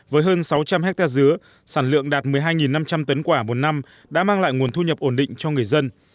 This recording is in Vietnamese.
với hơn sáu trăm linh hectare dứa sản lượng đạt một mươi hai năm trăm linh tấn quả một năm đã mang lại nguồn thu nhập ổn định cho người dân